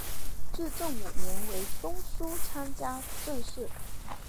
至正五年为中书参知政事。